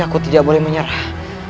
aku tidak boleh menyerah